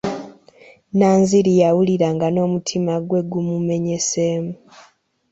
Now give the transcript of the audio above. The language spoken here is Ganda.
Nanziri yawulira nga n'omutima gwe gumenyeseemu.